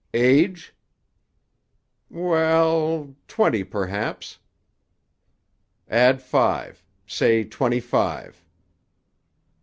Age?" "We—ell, twenty, perhaps." "Add five. Say twenty five."